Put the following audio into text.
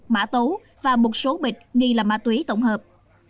mã tấu và một số bịch nghi là ma túy tổng hợp